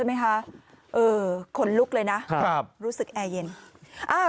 องค์ลุกเลยรู้สึกแออร์เย็นนะครับ